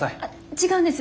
違うんです。